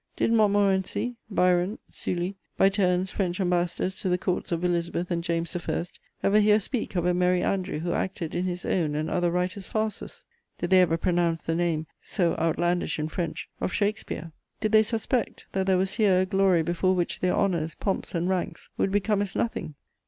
Did Montmorency, Byron, Sully, by turns French Ambassadors to the Courts of Elizabeth and James I., ever hear speak of a merry andrew who acted in his own and other writers' farces? Did they ever pronounce the name, so outlandish in French, of Shakespeare? Did they suspect that there was here a glory before which their honours, pomps and ranks would become as nothing?